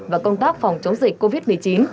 và công tác phòng chống dịch covid một mươi chín